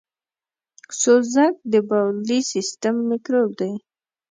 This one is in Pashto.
سوزک دبولي سیستم میکروب دی .